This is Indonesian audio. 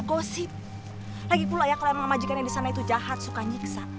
gak ada gosip lagi pula ya kalau emang majikan yang disana itu jahat suka nyiksa